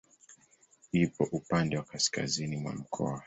Ipo upande wa kaskazini mwa mkoa.